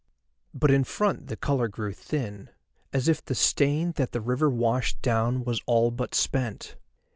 But in front the colour grew thin, as if the stain that the river washed down was all but spent.